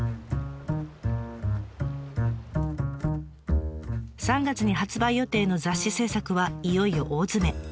３月に発売予定の雑誌制作はいよいよ大詰め。